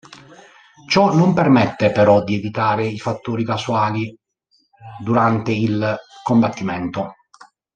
Ciò non permette però di evitare i fattori casuali durante il combattimento.